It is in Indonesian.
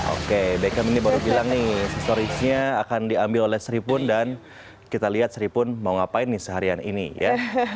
oke beckham ini baru bilang nih storage nya akan diambil oleh seripun dan kita lihat seripun mau ngapain nih seharian ini ya